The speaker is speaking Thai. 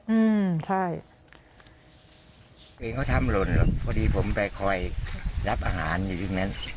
อืมใช่ตัวเองเขาทำหล่นพอดีผมไปคอยรับอาหารอยู่ตรงนั้น